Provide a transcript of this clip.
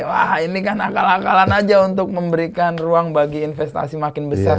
wah ini kan akal akalan aja untuk memberikan ruang bagi investasi makin besar